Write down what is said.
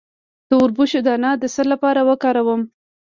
د وربشو دانه د څه لپاره وکاروم؟